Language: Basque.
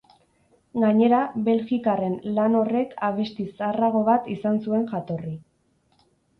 Gainera, belgikarren lan horrek abesti zaharrago bat izan zuen jatorri.